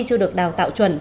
chưa được đào tạo chuẩn